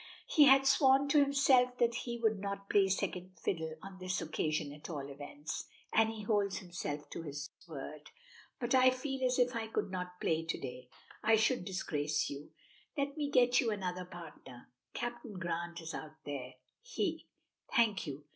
He had sworn to himself that he would not play second fiddle on this occasion at all events, and he holds himself to his word. "But I feel as if I could not play to day. I should disgrace you. Let me get you another partner. Captain Grant is out there, he " "Thank you.